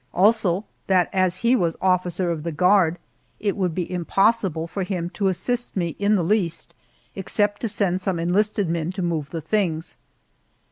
Also that, as he was officer of the guard, it would be impossible for him to assist me in the least, except to send some enlisted men to move the things.